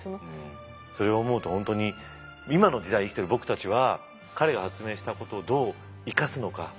それを思うと本当に今の時代生きてる僕たちは彼が発明したことをどう生かすのか。